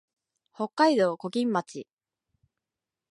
北海道今金町